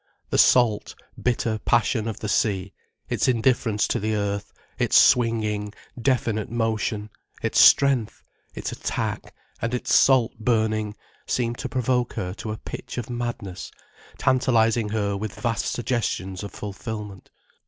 The salt, bitter passion of the sea, its indifference to the earth, its swinging, definite motion, its strength, its attack, and its salt burning, seemed to provoke her to a pitch of madness, tantalizing her with vast suggestions of fulfilment.